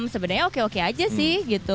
sebenarnya oke oke aja sih gitu